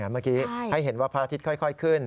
เมื่อกี้ให้เห็นว่าพระอาทิตย์ค่อยขึ้น